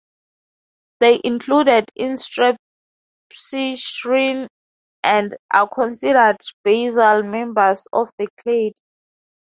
They are included in Strepsirrhini, and are considered basal members of the clade.